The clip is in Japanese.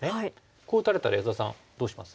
こう打たれたら安田さんどうします？